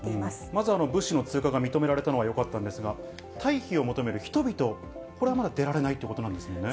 まず物資の通過が認められたのはよかったんですが、退避を求める人々、これはまだ出られないということなんですよね。